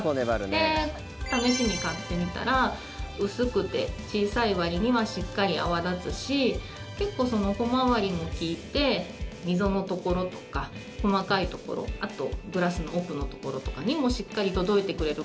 で、試しに買ってみたら薄くて小さいわりにはしっかり泡立つし結構、小回りも利いて溝のところとか細かいところあとグラスの奥のところとかにもしっかり届いてくれる。